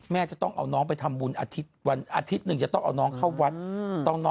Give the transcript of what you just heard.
จะต้องเอาน้องไปทำบุญอาทิตย์วันอาทิตย์หนึ่งจะต้องเอาน้องเข้าวัด